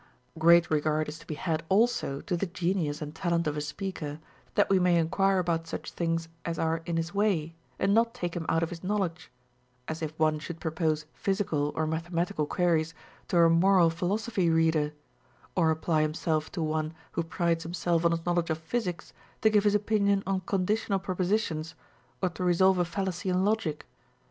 * Odyss. XVII. 222. OF HEARING. 453 11. Great regard is to be had also to the genius and talent of a speaker, that we may enquire about such things as are in his way, and not take him out of his knowledge ; as if one should propose physical or mathematical queries to a moral philosophy reader, or apply himself to one who prides himself on his knowledge of physics to give his opinion on conditional propositions or to resolve a fallacy in logic.